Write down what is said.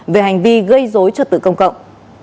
về hành vi gây dối cho tự công cộng